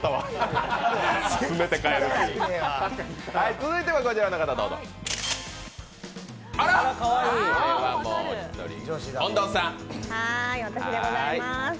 続いては、こちらの方どうぞ私でございます